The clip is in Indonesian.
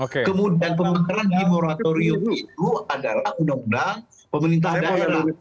kemudian pembenaran di moratorium itu adalah undang undang pemerintah daerah